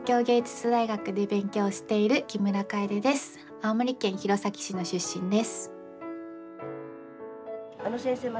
青森県弘前市の出身です。